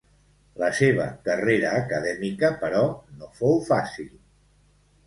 La seva carrera acadèmica, però, no fou fàcil.